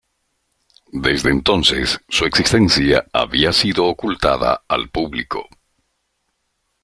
Desde entonces, su existencia había sido ocultada al público.